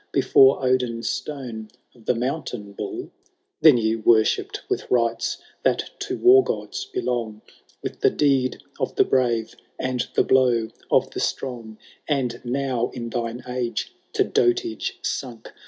Before Odin's stone, of the Mountain Bull ? Then ye worshipped with rites that to war gods belong. With the deed of the brave, and the blow of the strong ; And now, in thine age to dotage sunk.